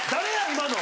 今の。